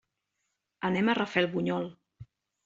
Anem a Rafelbunyol.